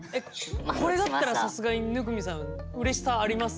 これだったらさすがに生見さんうれしさあります？